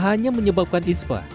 hal ini menyebabkan ispa